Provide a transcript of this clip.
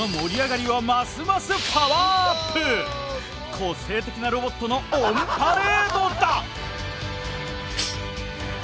個性的なロボットのオンパレードだ！